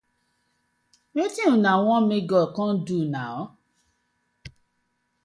Wetin una wan mek God com do naw?